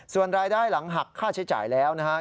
ส่วนรายได้หลังหักค่าใช้จ่ายแล้วนะครับ